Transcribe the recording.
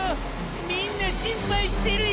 みんな心配してるよ